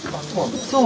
そう。